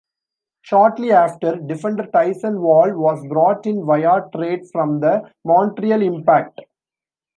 Shortly after, defender Tyson Wahl was brought in via trade from the Montreal Impact.